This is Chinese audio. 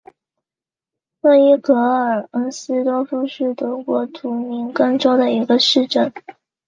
诺伊格尔恩斯多夫是德国图林根州的一个市镇。